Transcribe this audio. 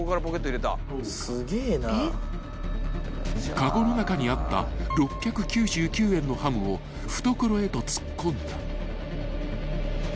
［かごの中にあった６９９円のハムを懐へと突っ込んだ］